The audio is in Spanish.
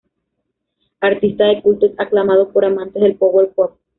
Artista de culto, es aclamado por amantes del power pop.